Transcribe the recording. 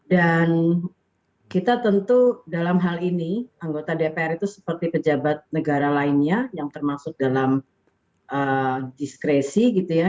dan kita tentu dalam hal ini anggota dpr itu seperti pejabat negara lainnya yang termasuk dalam diskresi gitu ya